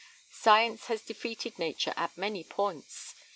"Science has defeated nature at many points.